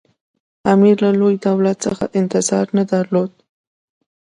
امیر له لوی دولت څخه انتظار نه درلود.